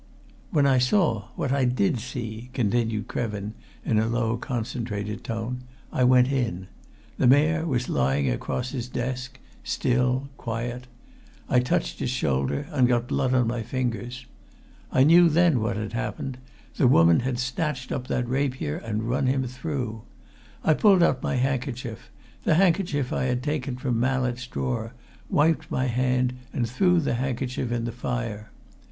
"When I saw what I did see," continued Krevin, in a low, concentrated tone, "I went in. The Mayor was lying across his desk, still, quiet. I touched his shoulder and got blood on my fingers. I knew then what had happened the woman had snatched up that rapier and run him through. I pulled out my handkerchief the handkerchief I had taken from Mallett's drawer wiped my hand, and threw the handkerchief in the fire.